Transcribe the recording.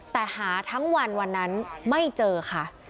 แต่หาทั้งวันวันนั้นไม่เจอค่ะ